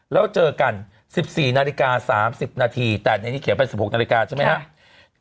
แล้วเจอกัน๑๔นาฬิกา๓๐นาทีแต่ในนี้เขียนไป๑๖นาฬิกาใช่ไหมครับ